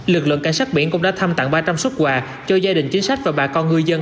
lực lượng cảnh sát biển cũng đã thăm tặng ba trăm linh xuất quà cho gia đình chính sách và bà con ngư dân